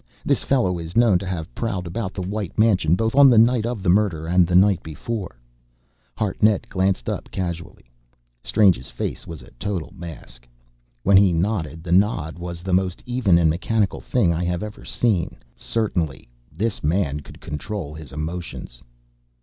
This fellow is known to have prowled about the White mansion both on the night of the murder and the night before." Hartnett glanced up casually. Strange's face was a total mask. When he nodded, the nod was the most even and mechanical thing I have ever seen. Certainly this man could control his emotions!